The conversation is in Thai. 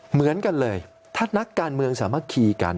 เหมือนกันเลยถ้านักการเมืองสามัคคีกัน